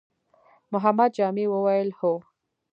محمد جامي وويل: هو!